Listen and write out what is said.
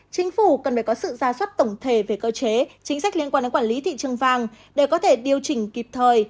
chính phủ cần phải có sự ra suất tổng thể về cơ chế chính sách liên quan đến quản lý thị trường vàng để có thể điều chỉnh kịp thời